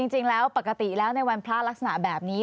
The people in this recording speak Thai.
จริงแล้วปกติแล้วในวันพระลักษณะแบบนี้